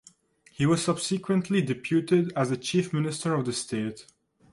He was subsequently deputed as the Chief Minister of the State.